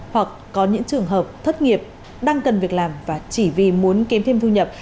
hoặc có những trường hợp thất nghiệp đang cần việc làm và chỉ vì muốn kiếm thêm thu nhập